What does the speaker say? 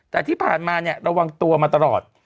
แต่ที่ผ่านมาเนี่ยระวังตัวมาตลอด